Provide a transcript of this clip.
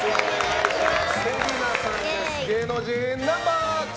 芸能人ナンバー２！